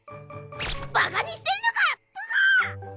バカにしてんのか⁉プゴッ！